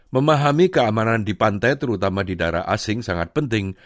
memahami keamanan di pantai terutama di daerah asing sangat penting